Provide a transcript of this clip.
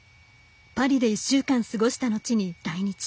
パリで１週間過ごしたのちに来日。